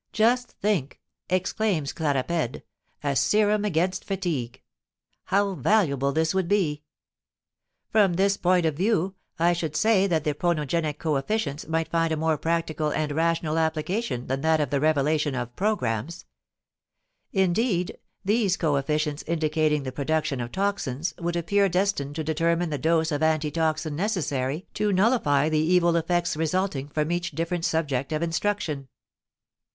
"Just think!" exclaims Claparède, "a serum against fatigue. How valuable this would be!" From this point of view, I should say that the ponogenic co efficients might find a more practical and rational application than that of the revelation of "programs"; indeed these co efficients indicating the production of toxines would appear destined to determine the dose of anti toxine necessary to nullify the evil effects resulting from each different subject of instruction.